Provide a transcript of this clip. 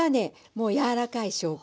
もう柔らかい証拠。